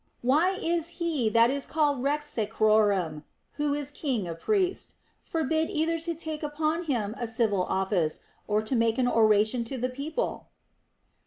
Why is he that is called Rex Sacrorum (who is king of priests) forbid either to take upon him a civil office or to make an oration to the people